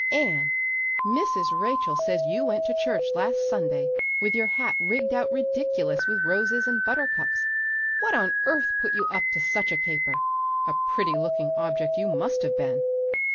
"Anne, Mrs. Rachel says you went to church last Sunday with your hat rigged out ridiculous with roses and buttercups. What on earth put you up to such a caper? A pretty looking object you must have been!"